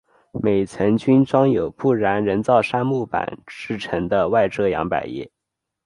每层均装有不燃人造杉木板制成的外遮阳百叶。